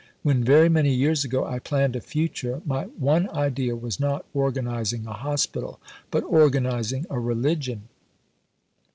When very many years ago I planned a future, my one idea was not organizing a Hospital, but organizing a Religion."